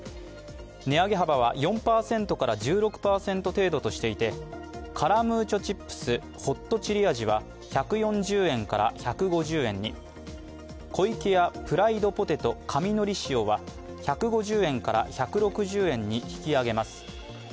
値上げ幅は４％から１６％程度としていてカラムーチョチップスホットチリ味は１４０円から１５０円に、湖池屋フライドポテト神のり塩は１５０円から１６０円に引き上げます。